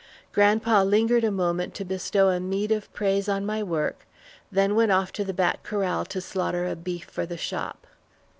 Grandpa lingered a moment to bestow a meed of praise on my work, then went off to the back corral to slaughter a beef for the shop.